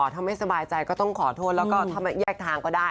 ถ้าไม่สบายใจก็ต้องขอโทษแล้วก็ถ้าแยกทางก็ได้